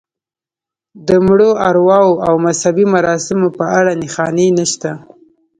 د مړو ارواوو او مذهبي مراسمو په اړه نښانې نشته.